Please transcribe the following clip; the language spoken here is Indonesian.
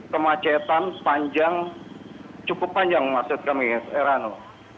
kemacetan panjang cukup panjang maksud kami erano